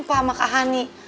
pak sama kak hani